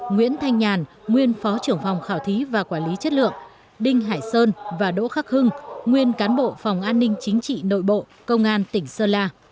nguyễn thanh nhàn nguyên phó trưởng phòng khảo thí và quản lý chất lượng đinh hải sơn và đỗ khắc hưng nguyên cán bộ phòng an ninh chính trị nội bộ công an tỉnh sơn la